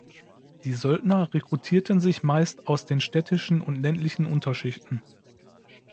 Die Söldner rekrutierten sich meist aus den städtischen und ländlichen Unterschichten.